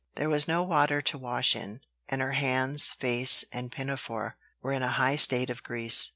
There was no water to wash in; and her hands, face, and pinafore were in a high state of grease.